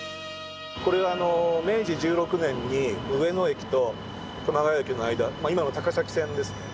これは明治１６年に上野駅と熊谷駅の間今の高崎線ですね